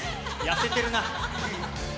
痩せてるな。